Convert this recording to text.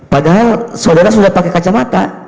padahal saudara sudah pakai kacamata